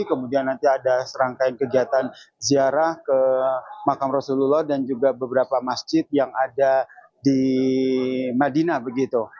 kemudian nanti ada serangkaian kegiatan ziarah ke makam rasulullah dan juga beberapa masjid yang ada di madinah begitu